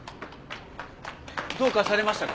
どうかされましたか？